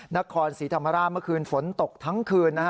นครศรีธรรมราชเมื่อคืนฝนตกทั้งคืนนะฮะ